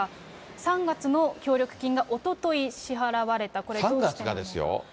３月の協力金がおととい支払われた、これ、３月がですよ。